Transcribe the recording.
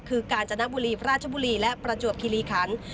คือกาญจนบุรีราชบุรีและประจวบคิริคัน